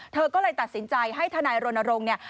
เธอก็เลยตัดสินใจให้ทนายรณรงค์เนี่ย